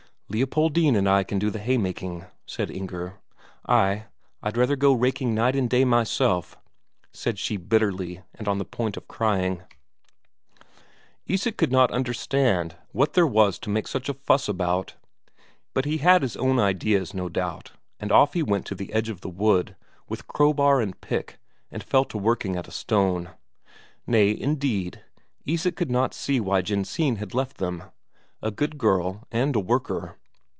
"Leopoldine and I can do the haymaking," said Inger. "Ay, I'd rather go raking night and day myself," said she bitterly, and on the point of crying. Isak could not understand what there was to make such a fuss about; but he had his own ideas, no doubt, and off he went to the edge of the wood, with crowbar and pick, and fell to working at a stone. Nay, indeed, Isak could not see why Jensine should have left them; a good girl, and a worker.